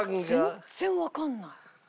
全然わかんない。